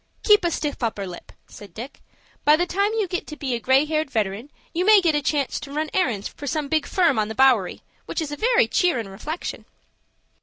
"Keep a stiff upper lip," said Dick. "By the time you get to be a gray headed veteran, you may get a chance to run errands for some big firm on the Bowery, which is a very cheerin' reflection."